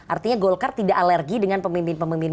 artinya golkar tidak alergi dengan pemimpin pemimpin